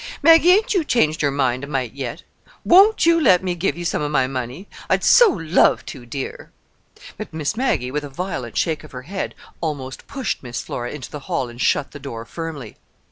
"Maggie, hain't you changed your mind a mite yet? Won't you let me give you some of my money? I'd so love to, dear!" But Miss Maggie, with a violent shake of her head, almost pushed Miss Flora into the hall and shut the door firmly.